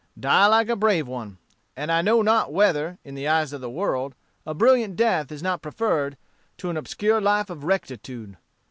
"'Die like a brave one. And I know not whether, in the eyes of the world, a brilliant death is not preferred to an obscure life of rectitude.